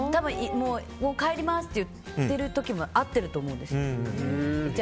帰りますって言ってる時も会ってたと思います。